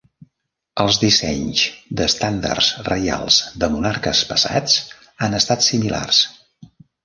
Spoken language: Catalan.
Els dissenys d'estàndards reials de monarques passats han estat similars.